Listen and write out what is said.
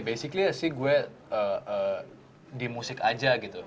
basically sih gue di musik aja gitu